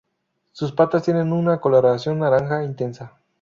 Sus patas tienen una coloración naranja intensa.